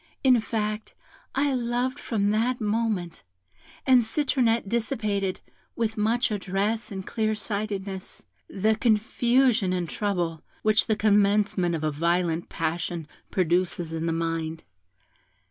In fact, I loved from that moment, and Citronette dissipated, with much address and clear sightedness, the confusion and trouble which the commencement of a violent passion produces in the mind.